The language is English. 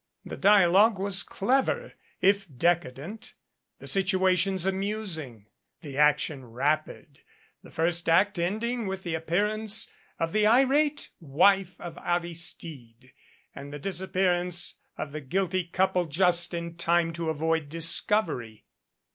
The dialogue was clever, if decadent, the situations amusing, the action rapid, the first act ending with the appearance of the irate wife of Aristide, and the disappearance of the guilty couple, just in time to avoid discovery.